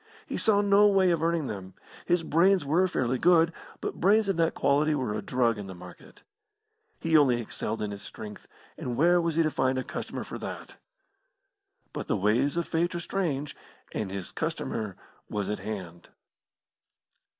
He saw no way of earning them. His brains were fairly good, but brains of that quality were a drug in the market. He only excelled in his strength, and where was he to find a customer for that? But the ways of Fate are strange, and his customer was at hand.